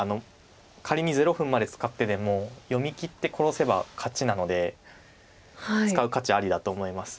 仮に０分まで使ってでも読みきって殺せば勝ちなので使う価値ありだと思います。